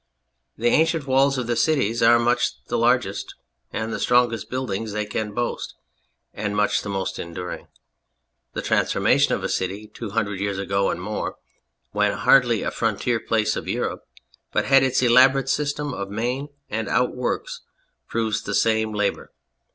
The ancient walls of the cities are much the largest and the strongest buildings they can boast, and much the most enduring. The transformation of a city two hundred years ago and more, when hardly a frontier place of Europe but had its elaborate system of main and out works, proves the same labour.